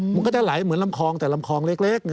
มันก็จะไหลเหมือนลำคลองแต่ลำคลองเล็ก